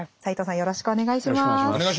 よろしくお願いします。